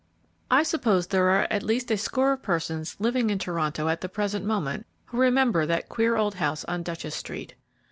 I suppose there are at least a score of persons living in Toronto at the present moment who remember that queer old house on Duchess street.